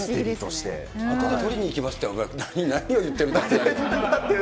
あとで取りに行きますって、何を言ってるんだって。